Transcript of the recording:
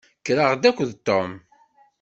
Kkreɣ-d akked Tom.